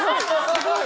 すごい！